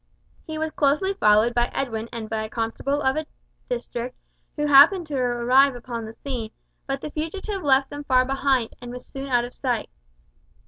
He was closely followed by Edwin and by a constable of the district, who happened to arrive upon the scene, but the fugitive left them far behind, and was soon out of sight.